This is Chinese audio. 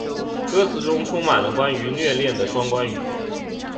歌词中充满了关于虐恋的双关语。